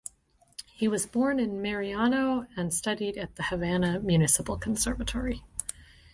He was born in Marianao and studied at the Havana Municipal Conservatory.